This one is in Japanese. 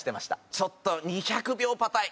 ちょっと２００秒パターン。